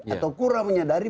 atau kurang menyadari